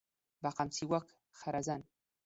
بەقەمچی وەک خەرەزەن